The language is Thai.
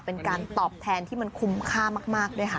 เป็นการตอบแทนที่มันคุ้มค่ามากด้วยค่ะ